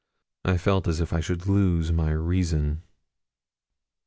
I felt as if I should lose my reason.